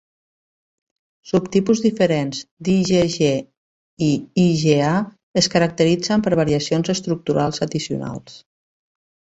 Subtipus diferents d'IgG i IgA es caracteritzen per variacions estructurals addicionals.